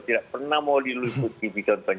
tidak pernah mau diluncurkan